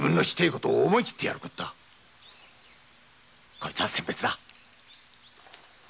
こいつは餞別だ。